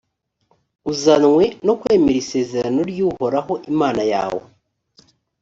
uzanywe no kwemera isezerano ry’uhoraho imana yawe,